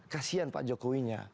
kasian pak jokowinya